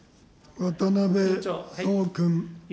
渡辺創君。